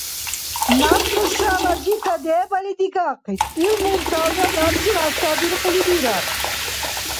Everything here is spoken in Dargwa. Наб нушала жита дебали дигахъис, ил мурталра набчил хӀязтабиркьули бирар.